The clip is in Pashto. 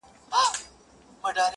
o بيا به يې خپه اشـــــــــــــنا؛